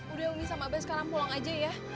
udah umi sama abah sekarang pulang aja ya